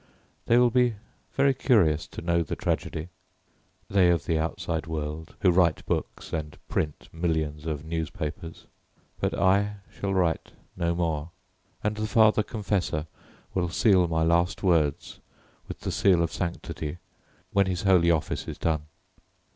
They will be very curious to know the tragedy they of the outside world who write books and print millions of newspapers, but I shall write no more, and the father confessor will seal my last words with the seal of sanctity when his holy office is done.